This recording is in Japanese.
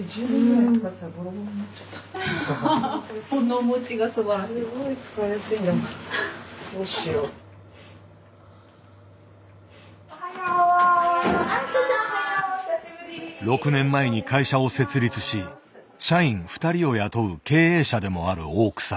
おはよう。６年前に会社を設立し社員２人を雇う経営者でもある大草。